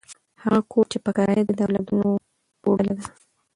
هغه کور چې په کرایه دی، د اولادونو کوډله ده.